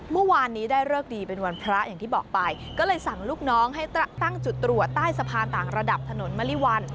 เมื่อวานนี้ได้เลิกดีเป็นวันพระอย่างที่บอกไปก็เลยสั่งลูกน้องให้ตั้งจุดตรวจใต้สะพานต่างระดับถนนมริวัล